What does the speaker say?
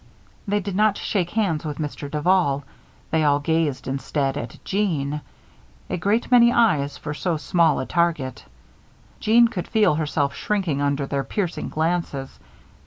They did not shake hands with Mr. Duval. They all gazed, instead, at Jeanne. A great many eyes for so small a target. Jeanne could feel herself shrinking under their piercing glances.